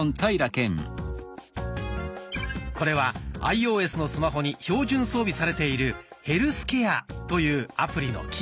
これはアイオーエスのスマホに標準装備されている「ヘルスケア」というアプリの機能です。